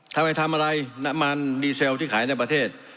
ถ้าไปทำอะไรน้ำมันดีเซลที่ขายในประเทศ